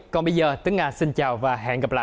còn bây giờ tướng nga xin chào và hẹn gặp lại